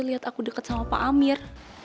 lihat aku dekat sama pak amir